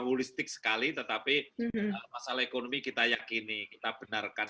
holistik sekali tetapi masalah ekonomi kita yakini kita benarkan